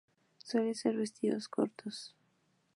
Suelen ser vestidos cortos.